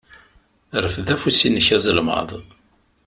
Rfed afus-nnek azelmaḍ.